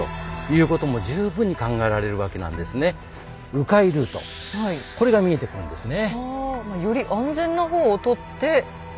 う回ルートこれが見えてくるんですね。